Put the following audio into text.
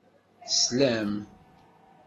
Teslam.